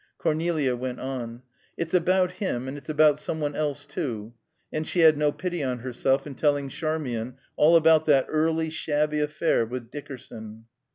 Cornelia went on. "It's about him, and it's about some one else, too," and she had no pity on herself in telling Charmian all about that early, shabby affair with Dickerson.